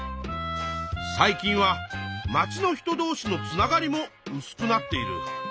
最近はまちの人どうしのつながりもうすくなっている。